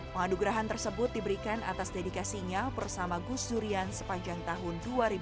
pengadugrahan tersebut diberikan atas dedikasinya bersama gus durian sepanjang tahun dua ribu dua puluh